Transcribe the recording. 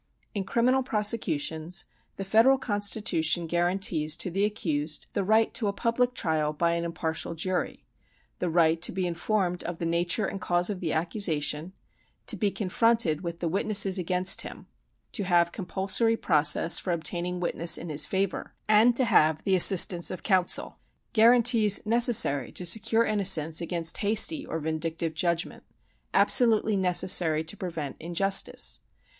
In criminal prosecutions the federal constitution guarantees to the accused the right to a public trial by an impartial jury; the right to be informed of the nature and cause of the accusation; to be confronted with the witnesses against him; to have compulsory process for obtaining witness in his favor; and to have the assistance of counsel; guarantees necessary to secure innocence against hasty or vindictive judgment,—absolutely necessary to prevent injustice.